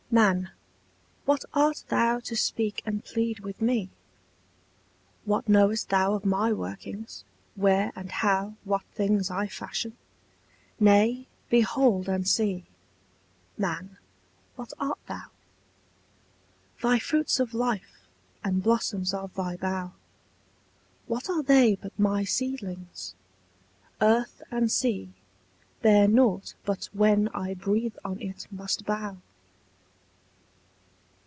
Man, what art thou to speak and plead with me? What knowest thou of my workings, where and how What things I fashion? Nay, behold and see, Man, what art thou? Thy fruits of life, and blossoms of thy bough, What are they but my seedlings? Earth and sea Bear nought but when I breathe on it must bow.